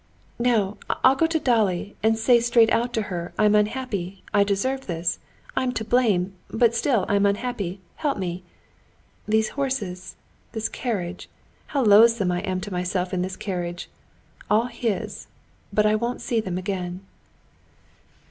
"No, I'll go to Dolly, and say straight out to her, I'm unhappy, I deserve this, I'm to blame, but still I'm unhappy, help me. These horses, this carriage—how loathsome I am to myself in this carriage—all his; but I won't see them again."